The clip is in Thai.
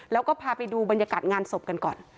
แล้วก็พาไปดูบรรยากาศงานศพกันก่อน